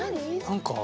何か。